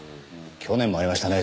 去年もありましたね